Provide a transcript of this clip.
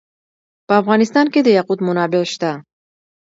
په افغانستان کې د یاقوت منابع شته.